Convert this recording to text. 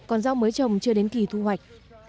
còn rau mới trồng chưa đến kỳ thu hoạch